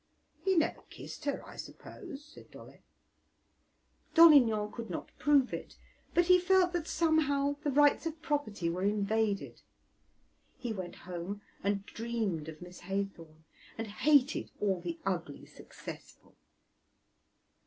"He never kissed her, I suppose," said Dolle. Dolignan could not prove it, but he felt that somehow the rights of property were invaded. He went home and dreamed of Miss Haythorn, and hated all the ugly successful.